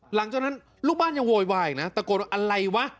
หลังจากนั้นลูกบ้านยังโวยวายอีกนะตะโกนว่าอะไรวะ